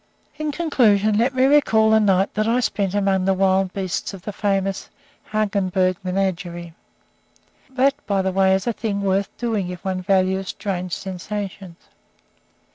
In conclusion, let me recall a night that I spent among the wild beasts of the famous Hagenbeck menagerie. That, by the way, is a thing worth doing if one values strange sensations.